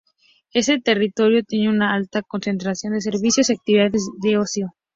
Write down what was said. Este territorio tiene una alta concentración de servicios y actividades de ocio.